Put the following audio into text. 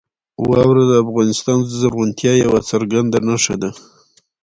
واوره د افغانستان د زرغونتیا یوه څرګنده نښه ده.